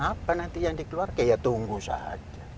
apa nanti yang dikeluarkan ya tunggu saja